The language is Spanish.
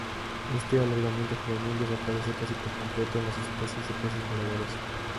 Este alargamiento juvenil desaparece casi por completo en las especies de "peces voladores".